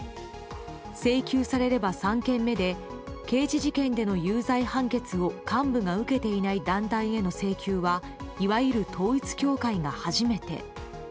請求されれば３件目で刑事事件での有罪判決を幹部が受けていない団体への請求はいわゆる統一教会が初めて。